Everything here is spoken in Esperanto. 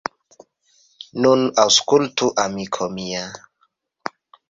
Nun aŭskultu, amiko mia.